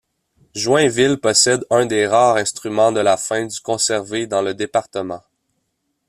Joinville possède un des rares instruments de la fin du conservés dans le département.